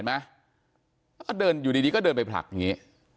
ก็เดินอยู่ดีก็เดินไปผลักอย่างนี้